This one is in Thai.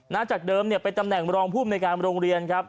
นั้นจากเดิมเป็นตำแหน่งอำนวงผู้อำนวยการโรงเรียนครับ